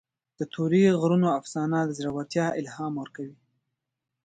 د تورې غرونو افسانه د زړه ورتیا الهام ورکوي.